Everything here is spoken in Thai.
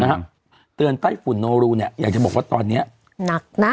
เตือนไต้ฝุ่นโนรูเนี้ยอยากจะบอกว่าตอนเนี้ยหนักนะ